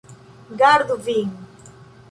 Gardu vin!